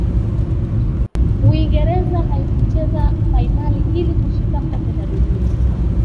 uingereza haikucheza fainali ili kushinda kombe la dunia